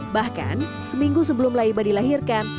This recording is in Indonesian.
bahkan seminggu sebelum laiba dilahirkan